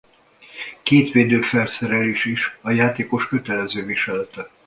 Két védőfelszerelés is a játékos kötelező viselete.